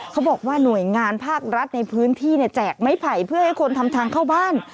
เขาบอกว่าหน่วยงานภาครัฐในพื้นที่แจกไม้ไผ่เพื่อให้คนทำทางเข้าบ้าน